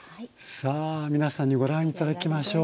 さあ皆さんにご覧頂きましょう。